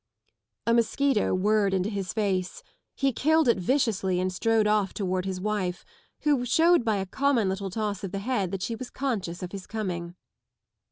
A mosquito Whirred into his face. He killed it viciously and strode off towards his wife, who showed by a common little toss of the head that she was conscious oft his coming.